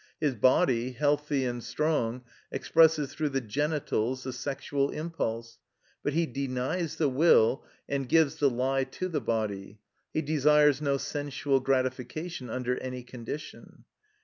His body, healthy and strong, expresses through the genitals, the sexual impulse; but he denies the will and gives the lie to the body; he desires no sensual gratification under any condition.